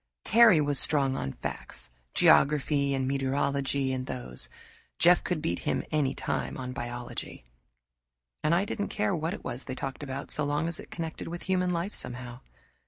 Terry was strong on facts geography and meteorology and those; Jeff could beat him any time on biology, and I didn't care what it was they talked about, so long as it connected with human life, somehow.